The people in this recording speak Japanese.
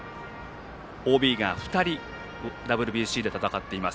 ＯＢが２人ＷＢＣで戦っています